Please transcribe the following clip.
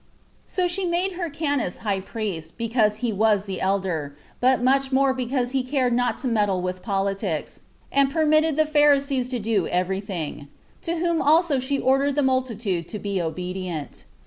2. So she made Hyrcanus high priest, because he was the elder, but much more because he cared not to meddle with politics, and permitted the Pharisees to do every thing; to whom also she ordered the multitude to be obedient.